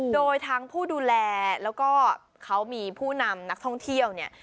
โดยทั้งผู้ดูแลแล้วก็เขามีผู้นำนักท่องเที่ยวเนี่ย